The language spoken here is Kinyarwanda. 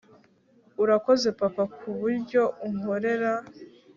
urakoze papa kubyo unkorera